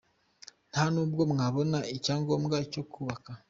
Nta n’ubwo mwabona icyangombwa cyo kubaka.